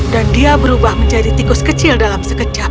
dan dia berubah menjadi tikus kecil dalam sekejap